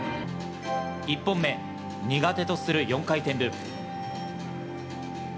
１本目、苦手とする４回転ループ。